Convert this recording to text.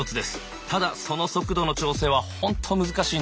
ただその速度の調整はほんっと難しいんですよ。